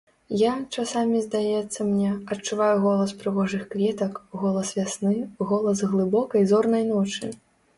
Я, часамі здаецца мне, адчуваю голас прыгожых кветак, голас вясны, голас глыбокай зорнай ночы!